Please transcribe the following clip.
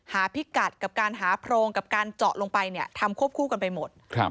พิกัดกับการหาโพรงกับการเจาะลงไปเนี่ยทำควบคู่กันไปหมด